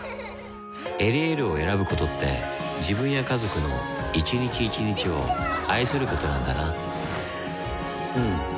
「エリエール」を選ぶことって自分や家族の一日一日を愛することなんだなうん。